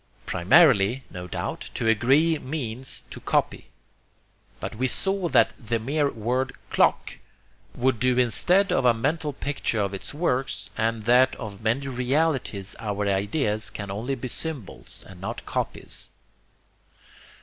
Primarily, no doubt, to agree means to copy, but we saw that the mere word 'clock' would do instead of a mental picture of its works, and that of many realities our ideas can only be symbols and not copies.